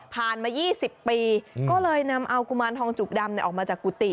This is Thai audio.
มา๒๐ปีก็เลยนำเอากุมารทองจุกดำออกมาจากกุฏิ